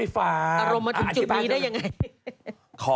ฟอค